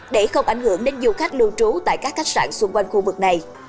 để không ảnh hưởng đến du khách lưu trú tại các khách sạn xung quanh khu vực này